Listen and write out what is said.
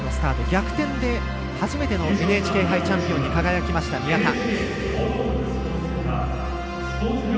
逆転で初めてのＮＨＫ杯チャンピオンに輝きました、宮田。